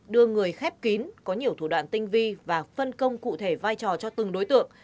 đưa người khép kín có nhiều thủ đoạn tinh vi và phân công cụ thể vai trò cho từng đối tượng